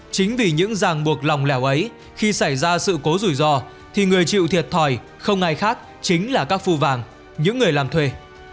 chính vì những ràng buộc lòng lẻo ấy khi xảy ra sự cố rủi ro thì người chịu thiệt thòi không ai khác chính là các phu vàng những người làm thuê